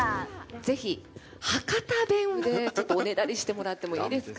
ぜひ博多弁でちょっと、おねだりしてもらってもいいですか？